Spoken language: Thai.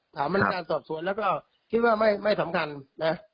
พนักงานสอบสวนแล้วก็คิดว่าไม่สำคัญนะ